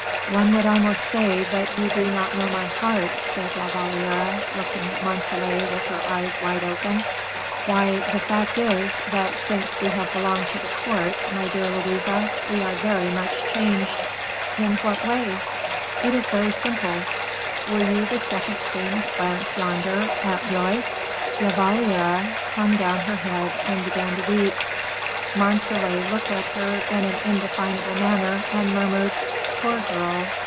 "One would almost say that you do not know my heart," said La Valliere, looking at Montalais with her eyes wide open. "Why, the fact is, that since we have belonged to the court, my dear Louise, we are very much changed." "In what way?" "It is very simple. Were you the second queen of France yonder, at Blois?" La Valliere hung down her head, and began to weep. Montalais looked at her in an indefinable manner, and murmured "Poor girl!"